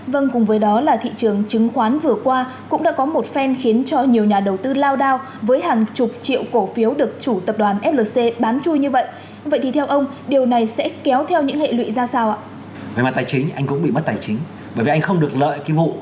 vâng cùng với đó là thị trường chứng khoán vừa qua cũng đã có một phen khiến cho nhiều nhà đầu tư lao đao với hàng chục triệu cổ phiếu được chủ tập đoàn flc bán chui như vậy